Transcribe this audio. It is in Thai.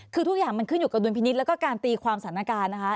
คือทุกอย่างมันขึ้นอยู่กับดุลพินิษฐ์แล้วก็การตีความสถานการณ์นะคะ